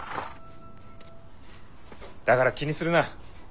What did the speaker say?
だから気にするな。